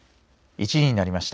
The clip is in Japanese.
１時になりました。